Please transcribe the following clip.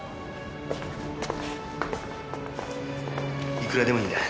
いくらでもいいんだ。